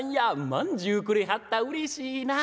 まんじゅうくれはったうれしいな。